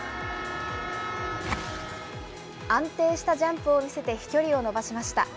安定したジャンプを見せて飛距離を伸ばしました。